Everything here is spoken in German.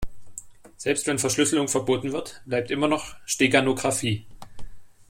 Selbst wenn Verschlüsselung verboten wird, bleibt immer noch Steganographie.